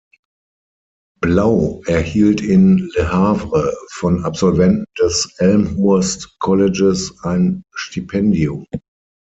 Blau erhielt in Le Havre von Absolventen des Elmhurst Colleges ein Stipendium.